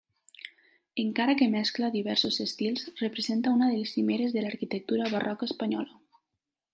Encara que mescla diversos estils, representa una de les cimeres de l'arquitectura barroca espanyola.